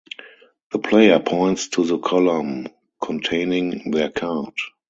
The player points to the column containing their card.